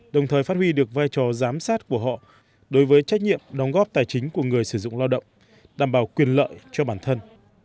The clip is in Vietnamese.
đồng thời phát huy được vai trò giám sát của họ đối với trách nhiệm đóng góp tài chính của người sử dụng lao động đảm bảo quyền lợi cho bản thân